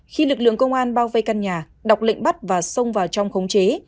khi lực lượng công an bao vây căn nhà đọc lệnh bắt và xông vào trong khống chế